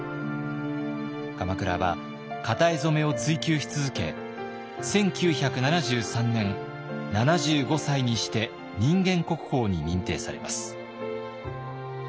鎌倉は型絵染を追究し続け１９７３年７５歳にして人間国宝に認定されます。